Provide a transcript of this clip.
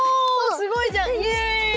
すごいじゃん！